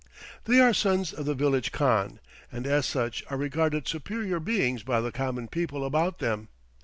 They are sons of the village khan, and as such are regarded superior beings by the common people about them.